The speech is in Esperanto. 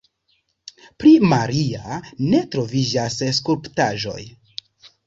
Pri Maria ne troviĝas skulptaĵoj.